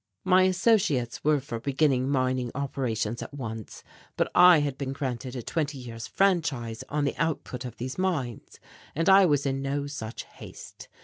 My associates were for beginning mining operations at once, but I had been granted a twenty years' franchise on the output of these mines, and I was in no such haste.